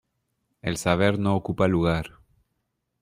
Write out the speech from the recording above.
El saber no ocupa lugar.